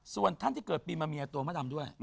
ส่วนท่านที่เกิดปีมาเมียตัวมะดำด้วย